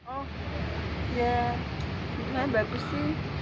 oh ya dukungan bagus sih